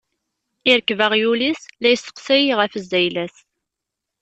Irkeb aɣyul-is, la isteqsay ɣef zzayla-s.